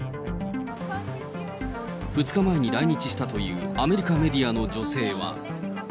２日前に来日したというアメリカメディアの女性は。